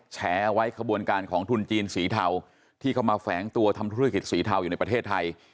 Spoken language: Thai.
แฉเอาไว้ขบวนการของทุนจีนสีเทาที่เข้ามาแฝงตัวทำธุรกิจสีเทาอยู่ในประเทศไทย